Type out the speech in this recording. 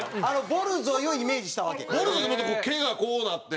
ボルゾイってもっと毛がこうなって。